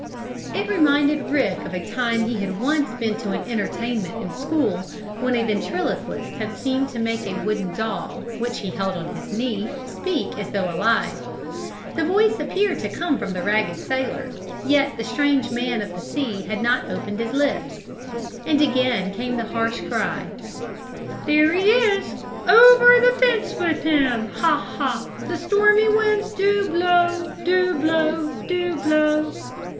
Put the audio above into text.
It reminded Rick of a time he had once been to an entertainment in the school, when a ventriloquist had seemed to make a wooden doll, which he held on his knee, speak as though alive. The voice appeared to come from the ragged sailor, yet the strange man of the sea had not opened his lips. And again came the harsh cry: "There he is! Over the fence with him! Ha! Ha! The stormy winds do blow! Do blow! Do blow!"